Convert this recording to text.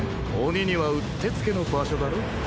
鬼にはうってつけの場所だろ。